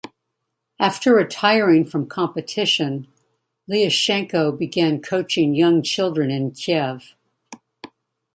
After retiring from competition, Liashenko began coaching young children in Kiev.